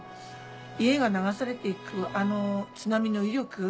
家が流されていくあの津波の威力。